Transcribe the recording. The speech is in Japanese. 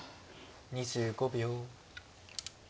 ２５秒。